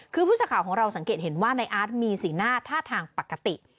คือผู้สื่อข่าวของเราสังเกตเห็นว่าในอาร์ตมีสีหน้าท่าทางปกติ